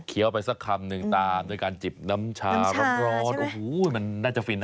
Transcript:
ไปสักคำหนึ่งตามด้วยการจิบน้ำชาร้อนโอ้โหมันน่าจะฟินนะ